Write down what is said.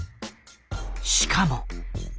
しかも。